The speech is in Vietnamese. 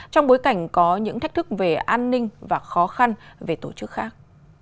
trong bối cảnh có những thách thức về an ninh và khó khăn về tổ chức khác